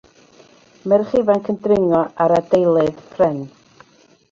Merch ifanc yn dringo ar adeiledd pren.